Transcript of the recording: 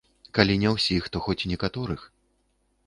Калі не ўсіх, то хоць некаторых.